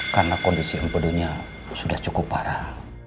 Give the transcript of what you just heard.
karena kondisi empedunya sudah cukup parah